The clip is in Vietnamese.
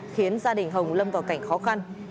khiến gia đình hồng lâm vào cảnh khó khăn